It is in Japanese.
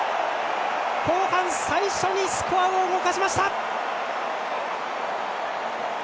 後半最初にスコアを動かしました！